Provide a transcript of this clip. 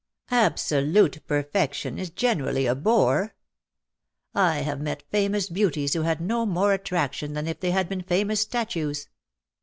''" Absolute perfection is generally a bore. I have met famous beauties who had no more attraction than if they had been famous statues."